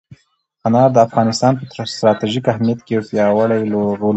انار د افغانستان په ستراتیژیک اهمیت کې یو پیاوړی رول لري.